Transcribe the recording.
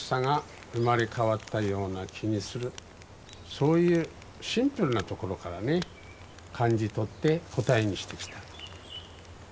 そういうシンプルなところからね感じ取って答えにしてきた。